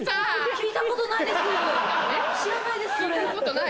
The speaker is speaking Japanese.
聞いたことない？